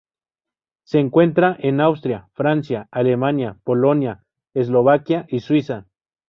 Se encuentra en Austria, Francia, Alemania, Polonia, Eslovaquia y Suiza.